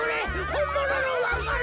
ほんもののわか蘭。